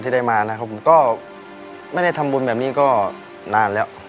ที่ได้มาก็ไม่ได้ทำบุญแบบนี้ก็นานแล้ว